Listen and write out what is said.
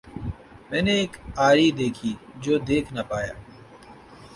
میں نے ایک آری دیکھی جو دیکھ نہ پایا۔